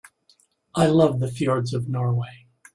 I love the fjords of Norway.